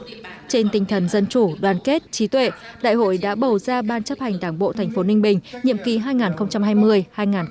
trên tinh thần dân chủ đoàn kết trí tuệ đại hội đã bầu ra ban chấp hành đảng bộ thành phố ninh bình